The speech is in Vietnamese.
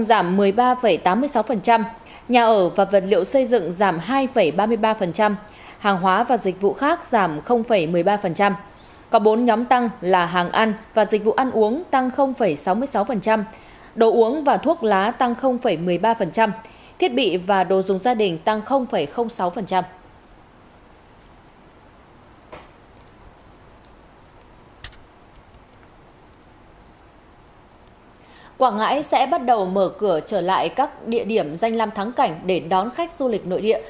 quảng ngãi sẽ bắt đầu mở cửa trở lại các địa điểm danh lam thắng cảnh để đón khách du lịch nội địa